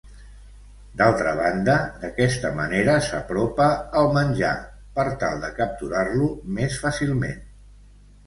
D'altra banda, d'aquesta manera s'apropa el menjar, per tal de capturar-lo més fàcilment.